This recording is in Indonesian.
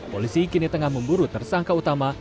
polisi kini tengah memburu tersangka utama